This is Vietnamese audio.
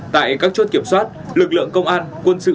tại các chốt kiểm soát lực lượng công an quân sự